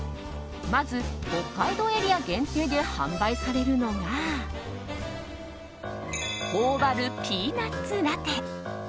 まず、北海道エリア限定で販売されるのがほおばるピーナッツラテ。